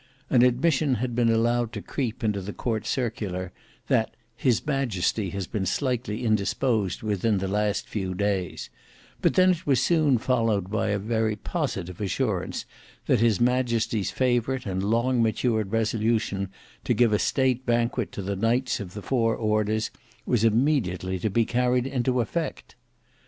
An admission had been allowed to creep into the Court Circular, that "his majesty has been slightly indisposed within the last few days;" but then it was soon followed by a very positive assurance, that his majesty's favourite and long matured resolution to give a state banquet to the knights of the four orders, was immediately to be carried into effect.